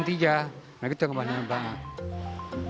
nah gitu kembali mbali